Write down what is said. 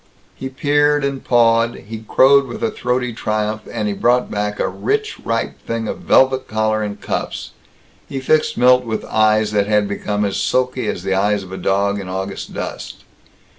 He peered and pawed. He crowed with throaty triumph and brought back a rich ripe thing of velvet collar and cuffs. He fixed Milt with eyes that had become as sulky as the eyes of a dog in August dust.